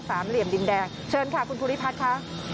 เหลี่ยมดินแดงเชิญค่ะคุณภูริพัฒน์ค่ะ